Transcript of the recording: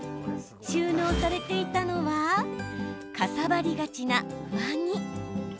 収納されていたのはかさばりがちな上着。